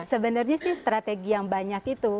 sebenarnya sih strategi yang banyak itu